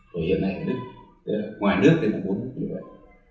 hồi hiện nay ở nước ngoài nước thì một bốn nước như vậy